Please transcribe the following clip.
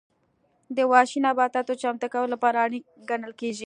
د وحشي نباتاتو چمتو کولو لپاره اړین ګڼل کېږي.